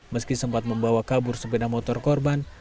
meski sempat membawa kabur sepeda motor korban